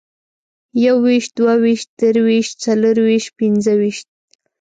يوويشت، دوه ويشت، درویشت، څلرويشت، پنځه ويشت